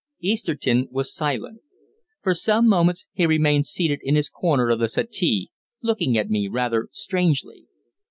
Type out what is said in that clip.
Easterton was silent. For some moments he remained seated in his corner of the settee, looking at me rather strangely.